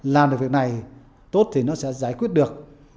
làm được việc này tốt thì nó sẽ giải quyết được